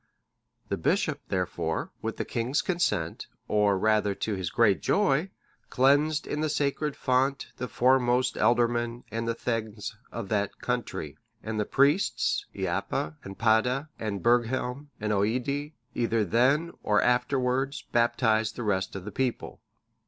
(618) The bishop, therefore, with the king's consent, or rather to his great joy, cleansed in the sacred font the foremost ealdormen and thegns of that country; and the priests, Eappa,(619) and Padda, and Burghelm, and Oiddi, either then, or afterwards, baptized the rest of the people.